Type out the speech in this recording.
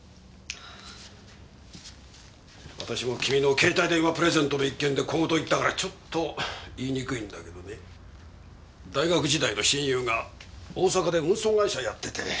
私も君の携帯電話プレゼントの一件で小言言ったからちょっと言いにくいんだけどね大学時代の親友が大阪で運送会社やっててね